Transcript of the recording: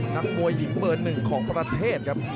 นักมวยหญิงเบอร์หนึ่งของประเทศครับ